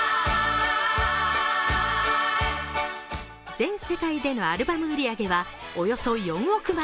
全世界でのアルバム売り上げはおよそ４億枚。